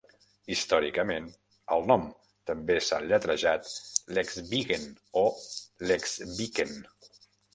Històricament, el nom també s'ha lletrejat "Lexvigen" o "Leksviken".